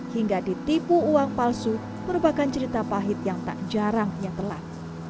hingga ditipu uang palsu merupakan cerita pahit yang tak jarang yang telat